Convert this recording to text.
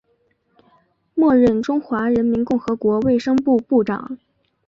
末任中华人民共和国卫生部部长。